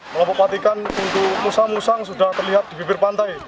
melapuk latihan untuk musang musang sudah terlihat di bibir pantai